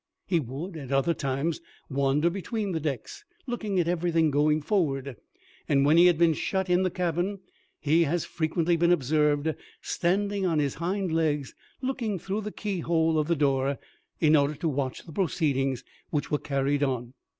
He would at other times wander between the decks, looking at everything going forward; and when he had been shut in the cabin he has frequently been observed standing on his hind legs looking through the keyhole of the door, in order to watch the proceedings which were carried on.